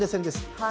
はい。